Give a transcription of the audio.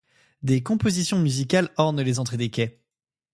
Des compositions musicales ornent les entrées des quais.